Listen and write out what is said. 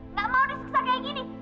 nggak mau disiksa kayak gini